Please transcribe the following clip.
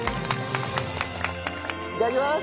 いただきます！